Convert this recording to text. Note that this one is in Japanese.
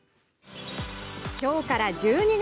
きょうから１２月。